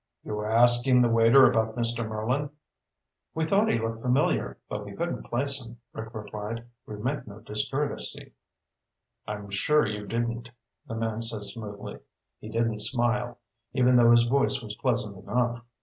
"You were asking the waiter about Mr. Merlin." "We thought he looked familiar, but we couldn't place him," Rick replied. "We meant no discourtesy." "I'm sure you didn't," the man said smoothly. He didn't smile, even though his voice was pleasant enough.